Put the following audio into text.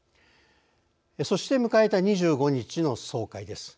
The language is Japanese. そして迎えた２５日の総会です。